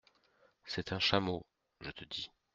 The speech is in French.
C’est un chameau, je te dis !